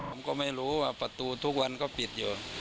ผมก็ไม่รู้ว่าประตูทุกวันก็ปิดอยู่